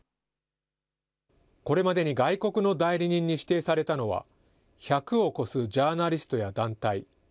これまでに外国の代理人に指定されたのは、１００を超すジャーナリストや団体。